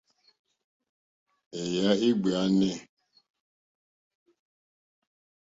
Èyà é ɡbɛ̀ɛ̀nɛ̀.